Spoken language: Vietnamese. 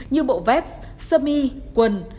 như bộ vép xơ mi quần